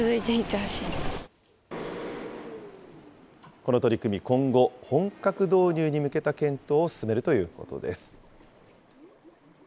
この取り組み、今後、本格導入に向けた検討を進めるということです。